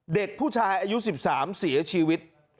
เด็กผู้ชายอายุ๑๓เสียชีวิต